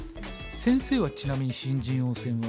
先生はちなみに新人王戦は。